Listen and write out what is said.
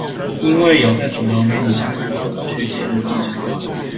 因為有在主流媒體上看到科學界的記者會